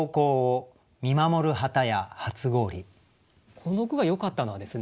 この句がよかったのはですね